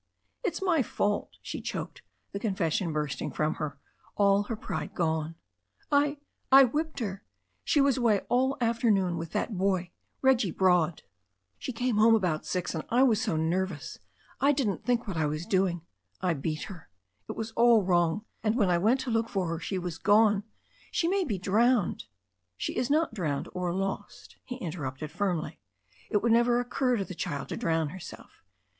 "It's my fault," she choked, the confession bursting from her, her pride gone. "I — I whipped her. She was away all the afternoon with that boy — Reggie Broad. She came THE STORY OF A NEW ZEALAND RIVER 121 home about six and I was so nervous — I didn't think what I was doing — I beat her. It was all wrong. And when I went to look for her she was gone. She may be drowned " "She is not drowned or lost," he interrupted firmly. "It would never occur to the child to drown herself.